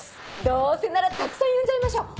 どうせならたくさん呼んじゃいましょう。